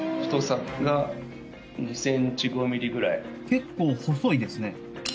結構細いですね。